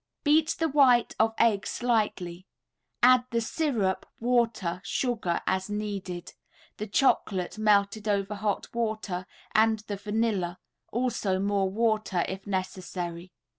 Beat the white of egg slightly, add the syrup, water, sugar as needed, the chocolate, melted over hot water, and the vanilla, also more water if necessary.